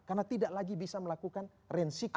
karena tidak lagi bisa melakukan reinsikeng